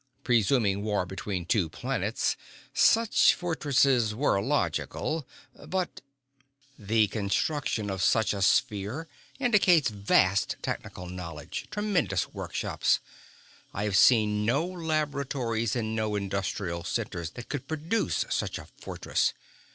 Presuming war between two planets, such fortresses were logical. But "The construction of such a sphere indicates vast technical knowledge, tremendous workshops. I have seen no laboratories and no industrial centers that could produce such a fortress.